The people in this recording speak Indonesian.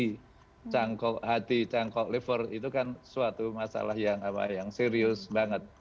jadi cangkok hati cangkok liver itu kan suatu masalah yang serius banget